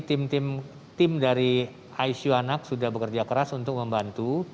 tim tim dari icu anak sudah bekerja keras untuk membantu